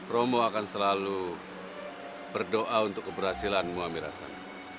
romo akan selalu berdoa untuk keberhasilanmu amir rasana